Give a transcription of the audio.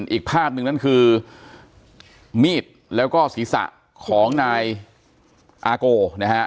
อีกภาพหนึ่งนั่นคือมีดแล้วก็ศีรษะของนายอาโกนะฮะ